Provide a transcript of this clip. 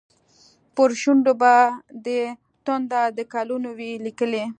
پر شونډو به دې تنده، د کلونو وي لیکلې